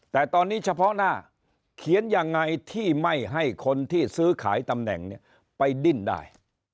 แต่ตอนนี้เฉพาะหน้าเขียนยังไงที่ไม่ให้คนที่ซื้อขายตำแหน่งเนี่ยไปดิ้นได้